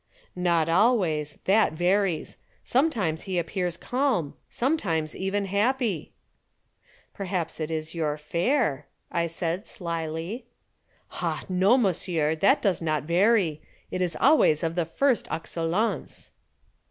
"Not always. That varies. Sometimes he appears calm, sometimes even happy." "Perhaps it is your fare," I said slily. "Ah, no, monsieur, that does not vary. It is always of the first excellence."